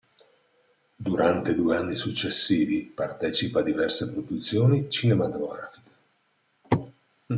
Durante i due anni successivi partecipa a diverse produzioni cinematografiche.